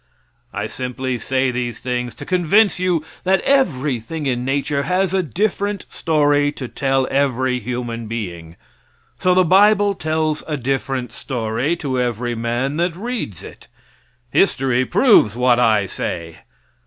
I simply say these things to convince you that everything in nature has a different story to tell every human being. So the bible tells a different story to every man that reads it. History proves what I say.